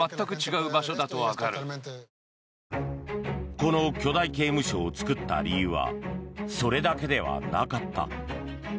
この巨大刑務所を作った理由はそれだけではなかった。